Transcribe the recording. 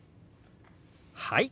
はい！